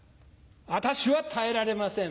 私は耐えられません。